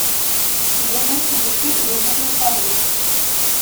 Ces derniers sont de types et d'origines variés.